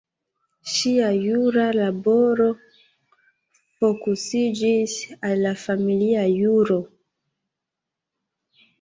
Ŝia jura laboro fokusiĝis al la familia juro.